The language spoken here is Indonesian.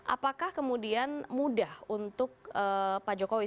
apakah kemudian mudah untuk pak jokowi